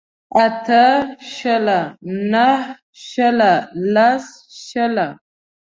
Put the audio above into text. اته شله نهه شله لس شله